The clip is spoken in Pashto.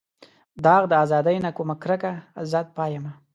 داغ د ازادۍ نه کوم کرکه ازاد پایمه.